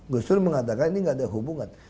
gustur mengatakan ini enggak ada hubungan